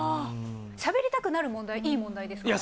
しゃべりたくなる問題はいい問題ですか？